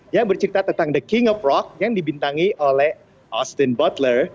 yang bercerita tentang the king of rock yang dibintangi oleh austin bottler